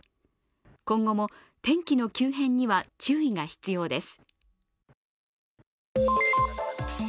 今後も天気の急変には注意が必要です。